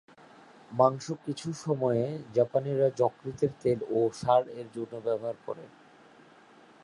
মাংস কিছু সময়ে জাপানিরা যকৃতের তেল ও সার এর জন্য ব্যবহার করে।